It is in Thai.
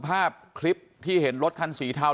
แซ็คเอ้ยเป็นยังไงไม่รอดแน่